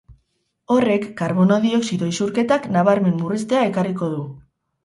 Horrek karbono dioxido isurketak nabarmen murriztea ekarriko du.